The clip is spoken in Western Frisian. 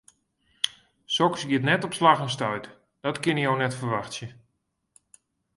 Soks giet net op slach en stuit, dat kinne jo net ferwachtsje.